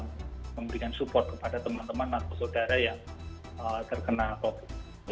memberikan support kepada teman teman atau saudara yang terkena covid